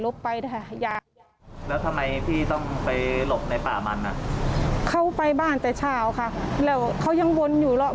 เราก็เลยไปสู่นำรงธรรมเพื่อขอความช่วยเหลือ